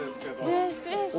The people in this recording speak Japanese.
失礼します。